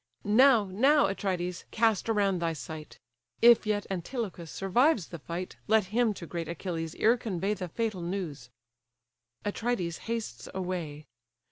"Now, now, Atrides! cast around thy sight; If yet Antilochus survives the fight, Let him to great Achilles' ear convey The fatal news"—Atrides hastes away.